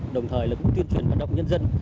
đồng thời là cũng tuyên truyền vận động nhân dân